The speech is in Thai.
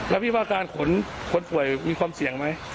แล้วพี่ว่าการขนคนป่วยมีความเสี่ยงไหม